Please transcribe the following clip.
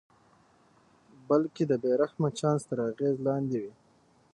بلکې د بې رحمه چانس تر اغېز لاندې وي.